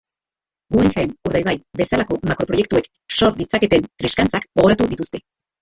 Guggenheim Urdaibai bezalako makroproiektuek sor ditzaketen triskantzak gogoratu dituzte.